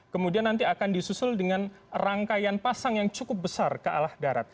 kemudian nanti akan disusul dengan rangkaian pasang yang cukup besar